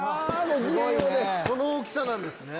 この大きさなんですね。